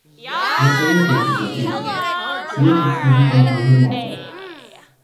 Я советую тебе, друг мой, съездить с визитом к губернатору.